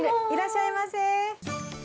いらっしゃいませ。